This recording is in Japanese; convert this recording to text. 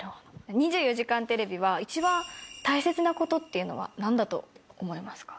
２４時間テレビは、一番大切なことっていうのはなんだと思いますか。